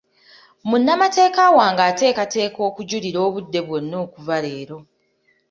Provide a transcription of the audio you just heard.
Munnamateeka wange ateekateeka okujulira obudde bwonna okuva leero.